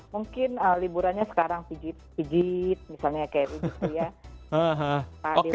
mungkin liburannya sekarang pijit pijit misalnya kayak begitu ya